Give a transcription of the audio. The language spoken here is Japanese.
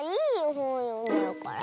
ほんよんでるから。